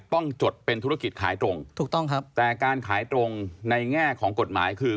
ต้องจดเป็นธุรกิจขายตรงแต่การขายตรงในแง่ของกฎหมายคือ